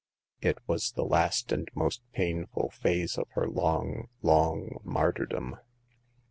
It was the last and most painful phase of her long, long martyrdom.